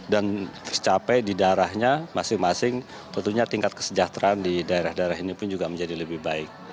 dan tercapai di daerahnya masing masing tentunya tingkat kesejahteraan di daerah daerah ini pun juga menjadi lebih baik